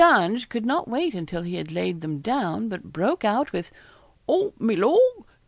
Ange could not wait until he had laid them down, but broke out with 'Oh, mi Lor!